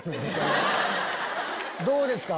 どうですか？